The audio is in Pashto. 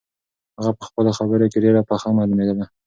هغه په خپلو خبرو کې ډېره پخه معلومېدله.